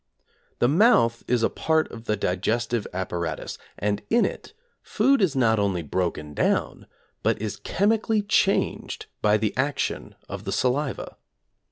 The mouth is a part of the digestive apparatus, and in it food is not only broken down, but is chemically changed by the action of the saliva.